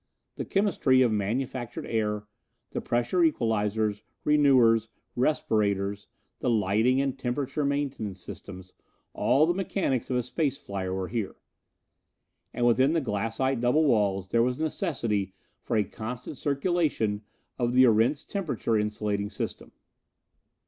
The chemistry of manufactured air, the pressure equalizers, renewers, respirators, the lighting and temperature maintenance systems all the mechanics of a space flyer were here. And within the glassite double walls, there was necessity for a constant circulation of the Erentz temperature insulating system.